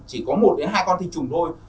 chỉ có một đến hai con tinh trùng thôi